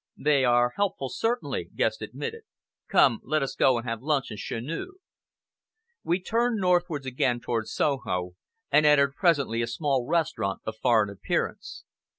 "They are helpful, certainly," Guest admitted. "Come, let us go and have luncheon chez nous." We turned northwards again towards Soho, and entered presently a small restaurant of foreign appearance.